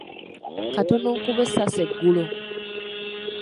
Katono nkubwe essasi eggulo.